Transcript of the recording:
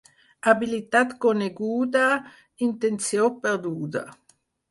Habilitat coneguda, intenció perduda.